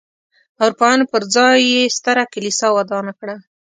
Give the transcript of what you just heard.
اروپایانو پر ځای یې ستره کلیسا ودانه کړه.